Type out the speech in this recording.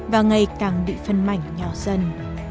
và ngày càng bị phân mảnh nhỏ dần